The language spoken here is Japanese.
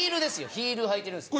ヒール履いてるんです。